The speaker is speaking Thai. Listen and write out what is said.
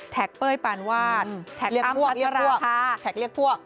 แท็กเป้ยปานวาดแท็กอ้ำพัชราภาแท็กเรียกพวก